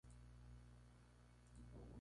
El actual sustituto es monseñor Edgar Peña Parra.